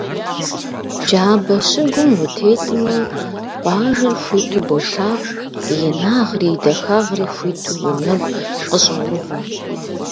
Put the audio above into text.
Джабэ щыгум утетмэ, къуажэр хуиту болъагъу, и инагъри и дахагъри хуиту уи нэгу къыщӀоувэ.